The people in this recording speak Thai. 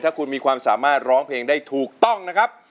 ถ้าคุณมีความสามารถร้องเพลงได้ถูกต้องนะครับ